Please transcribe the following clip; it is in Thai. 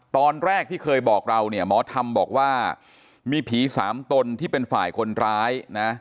ตอนแรกที่เคยบอกเราเนี่ยหมอธรรมบอกว่ามีผีสามตนที่เป็นฝ่ายคนร้ายนะ